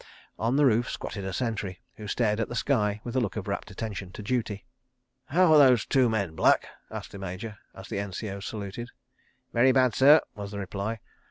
On the roof squatted a sentry, who stared at the sky with a look of rapt attention to duty. "How are those two men, Black?" asked the Major, as the N.C.O. saluted. "Very bad, sir," was the reply.